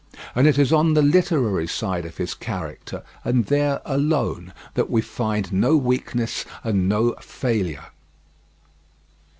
And it is on the literary side of his character, and there alone, that we find no weakness and no failure.